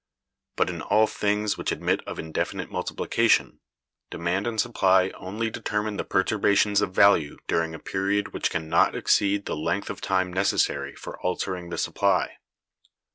But in all things which admit of indefinite multiplication, demand and supply only determine the perturbations of value during a period which can not exceed the length of time necessary for altering the supply.